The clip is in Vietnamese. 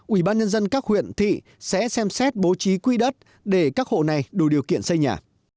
ủy ban nhân dân các huyện thị sẽ xem xét bố trí quỹ đất để các hộ này đủ điều kiện xây nhà